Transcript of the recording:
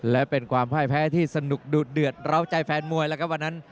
และเป็นความพ่ายแพ้ที่สนุกดูดเดือดร้าวใจแฟนมวยแล้วครับวันนั้น